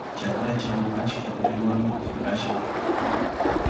Chakrachaw achka qiwami hiqashqa.